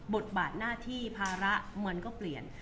บทบาทหน้าที่ภาระมันก็เปลี่ยน